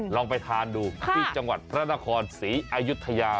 ลองไปทานดูที่จังหวัดพระนครศรีอายุทยา